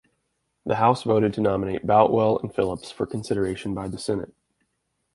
The House voted to nominate Boutwell and Phillips for consideration by the Senate.